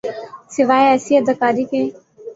سوائے ایسی اداکاری کے۔